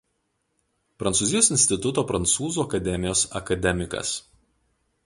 Prancūzijos instituto prancūzų akademijos akademikas.